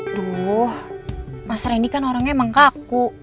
aduh mas randy kan orangnya emang kaku